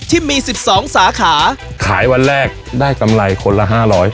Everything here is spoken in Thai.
ที่มี๑๒สาขาขายวันแรกได้กำไรคนละห้าร้อย